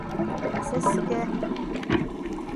Сәскә...